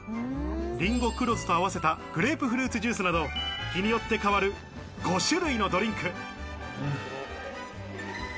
リンゴ黒酢と合わせたグレープフルーツジュースなど、日によって変わる５種類のドリンク。